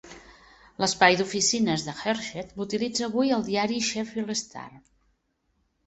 L'espai d'oficines de Hartshead l'utilitza avui el diari "Sheffield Star".